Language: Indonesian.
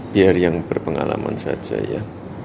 biar yang berpengalaman saja ya